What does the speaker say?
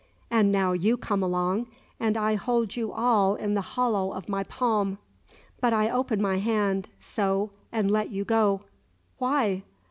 And now you come along; and I hold you all in the hollow of my palm. But I open my hand so and let you go." "Why?"